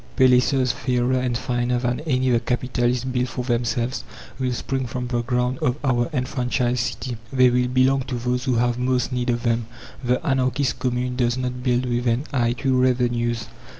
Palaces fairer and finer than any the capitalists built for themselves will spring from the ground of our enfranchised city. They will belong to those who have most need of them. The anarchist Commune does not build with an eye to revenues.